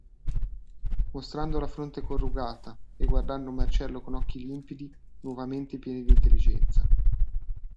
Mostrando la fronte corrugata, e guardando Marcello con occhi limpidi, nuovamente pieni d'intelligenza.